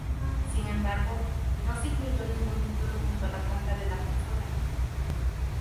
Sin embargo, no se incluyó ningún título junto a la compra de la consola.